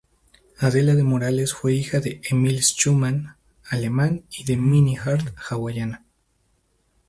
Adela de Morales fue hija de Emil Schuman, alemán; y de Minnie Hart, hawaiana.